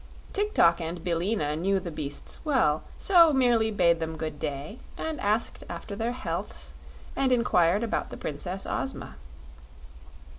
Tik tok and Billina knew the beasts well, so merely bade them good day and asked after their healths and inquired about the Princess Ozma.